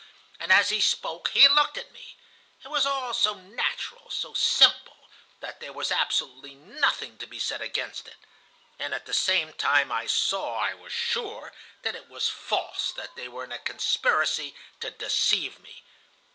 "And as he spoke, he looked at me. It was all so natural, so simple, that there was absolutely nothing to be said against it. And at the same time I saw, I was sure, that it was false, that they were in a conspiracy to deceive me.